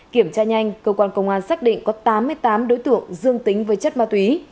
kiểm tra nhanh cơ quan công an xác định có tám mươi tám đối tượng dương tính với chất ma túy